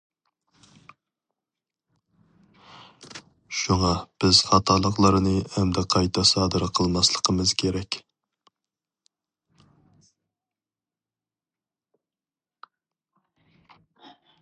شۇڭا بىز خاتالىقلارنى ئەمدى قايتا سادىر قىلماسلىقىمىز كېرەك.